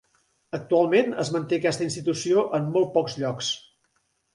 Actualment es manté aquesta institució en molt pocs llocs.